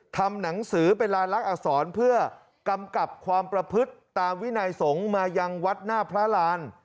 ทำหนังสือเป็นลานลักษณ์อักษรเพื่อกำกับความประพฤติตามวินัยสงฆ์มายังวัดหน้าพระราน